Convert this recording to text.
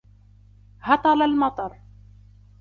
هطل المطر.